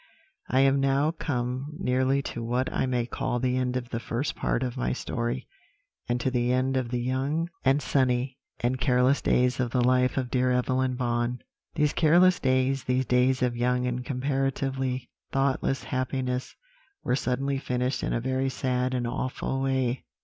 "I am now come nearly to what I may call the end of the first part of my story, and to the end of the young, and sunny, and careless days of the life of dear Evelyn Vaughan. "These careless days, these days of young and comparatively thoughtless happiness, were suddenly finished in a very sad and awful way.